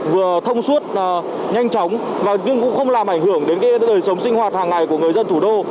vừa thông suốt nhanh chóng và nhưng cũng không làm ảnh hưởng đến đời sống sinh hoạt hàng ngày của người dân thủ đô